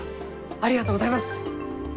ありがとうございます！